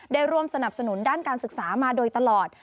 ได้ร่วมสนับสนุนด้านการศึกษามาโดยตลอด